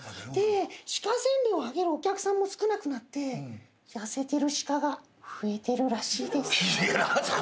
で鹿せんべいをあげるお客さんも少なくなって痩せてる鹿が増えてるらしいです。